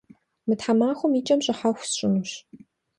Мы тхьэмахуэм и кӏэм щӏыхьэху сщӏынущ.